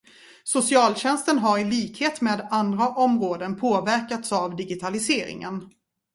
Socialtjänsten har i likhet med andra områden påverkats av digitaliseringen.